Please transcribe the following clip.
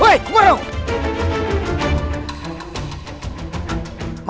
masih ada apa